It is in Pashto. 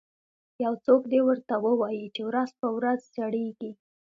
یو څوک دې ورته ووایي چې ورځ په ورځ زړیږي